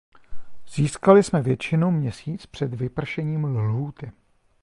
Získali jsme většinu měsíc před vypršením lhůty.